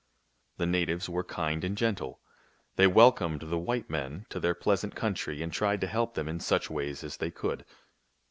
The natives were kind and gentle. They wel comed the white men to their pleasant country and tried to help them in such ways as they could.